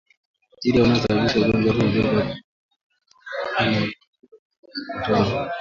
Bakteria wanaosababisha ugonjwa huu hubebwa kwenye pumzi ya wanyama walioambukizwa kwa njia ya matone